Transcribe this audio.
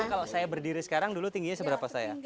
kalau saya berdiri sekarang dulu tingginya seberapa saya